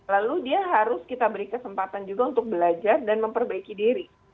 lalu dia harus kita beri kesempatan juga untuk belajar dan memperbaiki diri